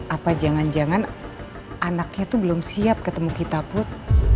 apa jangan jangan anaknya itu belum siap ketemu kita put